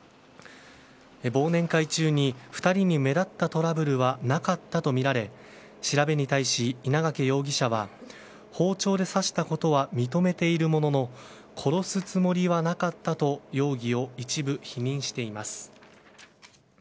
忘年会中に２人に目立ったトラブルはなかったとみられ調べに対し、稲掛容疑者は包丁で刺したことは認めているものの殺すつもりはなかったと容疑を一部否認しています。